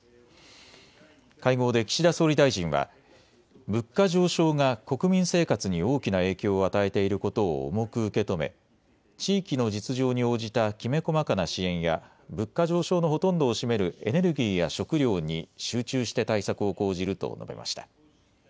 会合で岸田総理大臣は、物価上昇が国民生活に大きな影響を与えていることを重く受け止め、地域の実情に応じたきめ細かな支援や物価上昇のほとんどを占めるエネルギーや食料に集中して対策を講じると述べました。